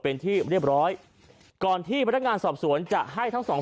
เป็นที่เรียบร้อยก่อนที่พนักงานสอบสวนจะให้ทั้งสองคน